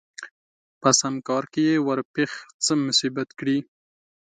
په سم کار کې يې ورپېښ څه مصيبت کړي